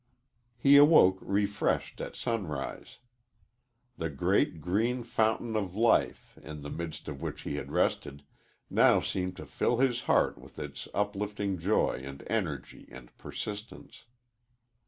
He awoke refreshed at sunrise. The great, green fountain of life, in the midst of which he had rested, now seemed to fill his heart with its uplifting joy and energy and persistence.